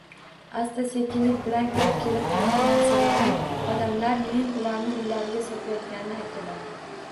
Asta-sekinlik bilan kirib kelib turgan narsalarim, odamlar, men ularni uylarini sotayotganini aytdilar.